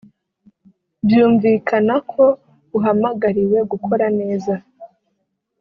byumvikana ko uhamagariwe gukora neza